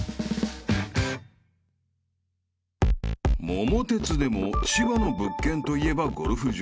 ［桃鉄でも千葉の物件といえばゴルフ場］